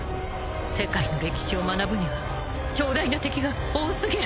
［世界の歴史を学ぶには強大な敵が多過ぎる！］